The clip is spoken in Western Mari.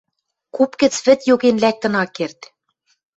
Куп гӹц вӹд йоген лӓктӹн ак керд